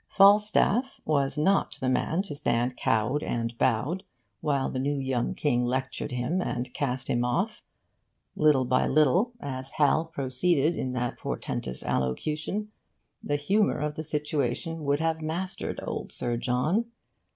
Falstaff was not the man to stand cowed and bowed while the new young king lectured him and cast him off. Little by little, as Hal proceeded in that portentous allocution, the humour of the situation would have mastered old Sir John.